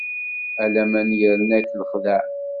A laman yerna-k lexdeɛ.